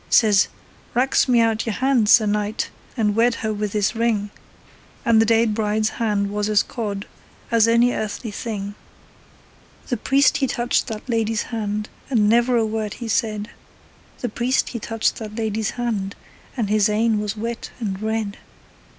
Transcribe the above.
Says, 'Rax me out your hand, Sir Knight, And wed her wi' this ring'; And the deid bride's hand it was as cauld As ony earthly thing. The priest he touched that lady's hand, And never a word he said; The priest he touched that lady's hand, And his ain was wet and red.